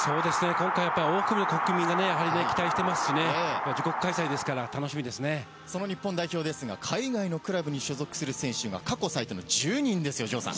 今回はやっぱり、多くの国民が期待してますしね、その日本代表ですが、海外のクラブに所属する選手が過去最多の１０人ですよ、城さん。